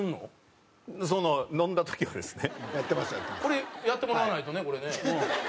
これやってもらわないとねこれね。